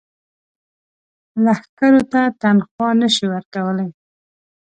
لښکرو ته تنخوا نه شي ورکولای.